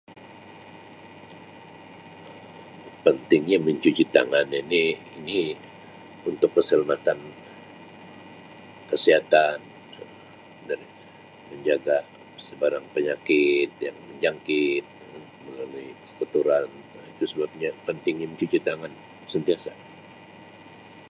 Pentingnya mencuci tangan ini ini untuk keselamatan untuk kesihatan dan menjaga sebarang penyakit yang menjangkit melalui kekotoran itu sebabnya pentingnya mencuci tangan sentiasa.